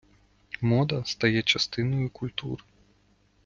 Мода стає частиною культури.